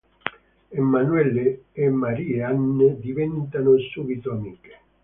Emmanuelle e Marie-Anne diventano subito amiche.